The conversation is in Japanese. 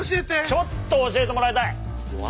ちょっと教えてもらいたい！